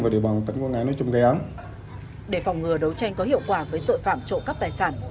để phòng ngừa đấu tranh có hiệu quả với tội phạm trộm cắp tài sản